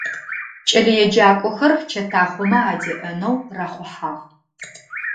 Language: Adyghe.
Кӏэлэеджакӏохэр чэтахъомэ адеӏэнэу рахъухьагъ.